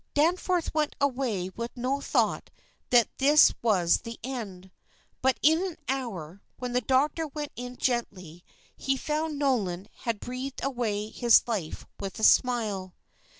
Danforth went away with no thought that this was the end. But in an hour, when the doctor went in gently, he found Nolan had breathed away his life with a smile.